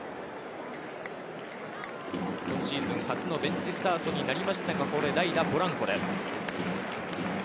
今シーズン初のベンチスタートとなりましたが、ここで代打・ポランコです。